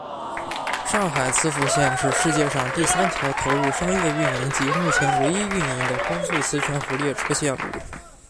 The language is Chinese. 上海磁浮线是世界上第三条投入商业运营及目前唯一运营的高速磁悬浮列车线路。